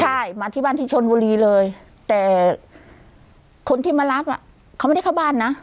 ใช่มาที่บ้านที่ชนบุรีเลยแต่คนที่มารับอ่ะเขาไม่ได้เข้าบ้านนะ